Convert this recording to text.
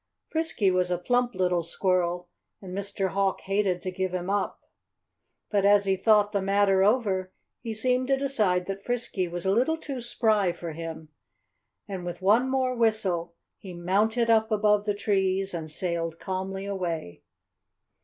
Frisky was a plump little squirrel and Mr. Hawk hated to give him up. But as he thought the matter over he seemed to decide that Frisky was a little too spry for him. And with one more whistle he mounted up above the trees and sailed calmly away.